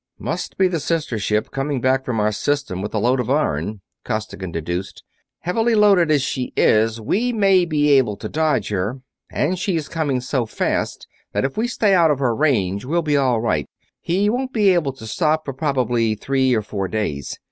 "Must be the sister ship, coming back from our System with a load of iron," Costigan deduced. "Heavily loaded as she is, we may be able to dodge her; and she's coming so fast that if we can stay out of her range we'll be all right he won't be able to stop for probably three or four days.